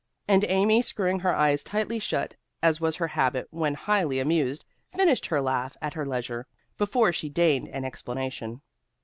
And Amy screwing her eyes tightly shut, as was her habit when highly amused, finished her laugh at her leisure, before she deigned an explanation.